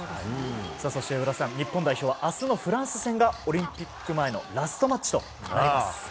そして上田さん日本代表は明日のフランス戦がオリンピック前のラストマッチとなります。